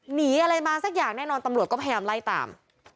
หนีอะไรมาสักอย่างแน่นอนตำรวจก็พยายามไล่ตาม